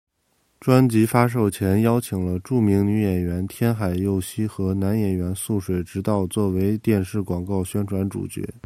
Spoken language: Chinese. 专辑发售前邀请了著名女演员天海佑希和男演员速水直道作为电视广告宣传主角。